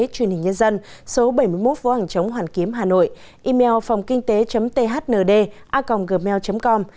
truyền hình nhân dân số bảy mươi một phố hàng chống hoàn kiếm hà nội email phongkinhtế thnd a gmail com